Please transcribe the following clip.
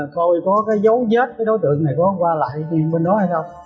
coi có cái dấu vết đối tượng này có qua lại bên đó hay không